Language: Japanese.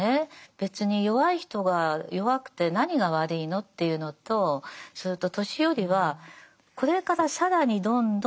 別に弱い人が弱くて何が悪いのっていうのとそれと年寄りはこれから更にどんどん弱くなっていきますよね。